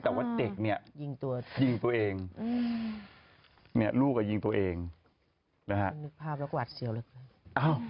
แต่ว่าเด็กนี่ยิงตัวเองลูกก็ยิงตัวเองนะฮะอ้าว